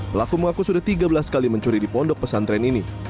pelaku mengaku sudah tiga belas kali mencuri di pondok pesantren ini